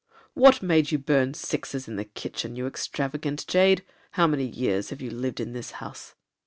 'What made you burn sixes in the kitchen, you extravagant jade? How many years have you lived in this house?'